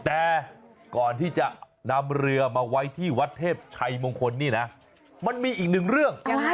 แต่ก่อนที่จะนำเรือมาไว้ที่วัดเทพชัยมงคลนี่นะมันมีอีกหนึ่งเรื่อง